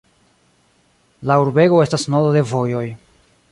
La urbego estas nodo de vojoj.